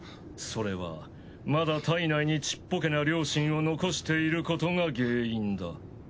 それはまだ体内にちっぽけな良心を残していることが原因だ。